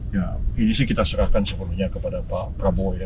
ya ini sih kita serahkan sepenuhnya kepada pak prabowo ya